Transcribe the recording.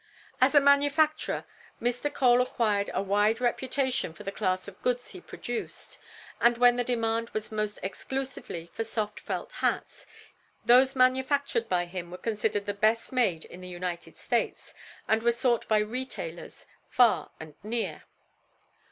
As a manufacturer, Mr. Cole acquired a wide reputation for the class of goods he produced, and when the demand was most exclusively for soft felt hats, those manufactured by him were considered the best made in the United States, and were sought by retailers far and near.